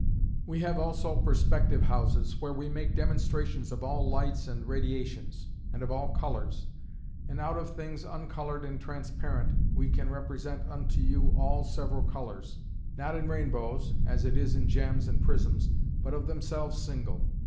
"We have also perspective houses, where we make demonstrations of all lights and radiations; and of all colours: and out of things uncoloured and transparent, we can represent unto you all several colours; not in rain bows, (as it is in gems, and prisms,) but of themselves single.